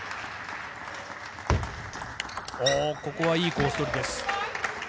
ここはいいコース取りです。